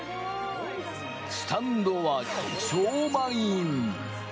スタンドは超満員！